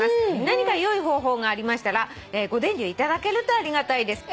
「何か良い方法がありましたらご伝授いただけるとありがたいです」